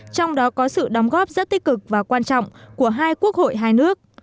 trong đó có sự đóng góp rất tích cực và quan trọng của hai quốc hội hai nước